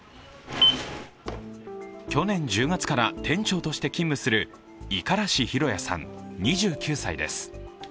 去年１０月から店長として勤務する五十嵐央也さん２９歳です。